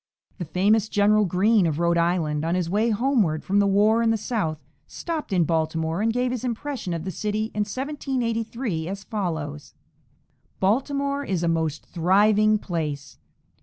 The famous General Greene, of Rhode Island, on his way homeward from the war in the South, stopped in Baltimore and gave his impression of the city in 1783 as follows: "Baltimore is a most thriving place.